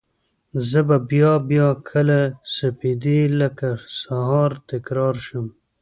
زه به بیا، بیا لکه سپیدې لکه سهار، تکرار شم